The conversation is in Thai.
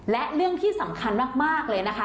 และเรื่องที่สำคัญมากเลยนะคะ